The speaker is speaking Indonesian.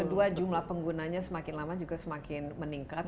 kedua jumlah penggunanya semakin lama juga semakin meningkat